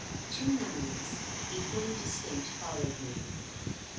Two memories, equally distinct, followed me.